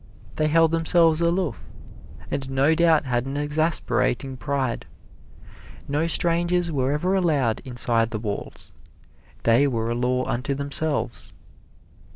They held themselves aloof, and no doubt had an exasperating pride. No strangers were ever allowed inside the walls they were a law unto themselves.